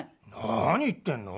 何言ってんの？